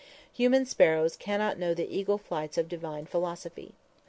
Human sparrows cannot know the eagle flights of divine philosophy.